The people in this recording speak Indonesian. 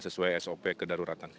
sesuai sop kedaruratan